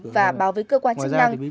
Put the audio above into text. và báo với cơ quan chức năng